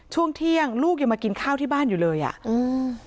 ช่วงเที่ยงลูกยังมากินข้าวที่บ้านอยู่เลยอ่ะอืม